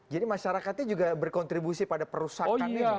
jadi masyarakatnya juga berkontribusi pada perusakannya